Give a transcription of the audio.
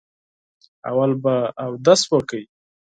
اول به اودس وکړئ.